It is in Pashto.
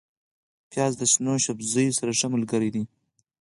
پیاز د شنو سبزیو سره ښه ملګری دی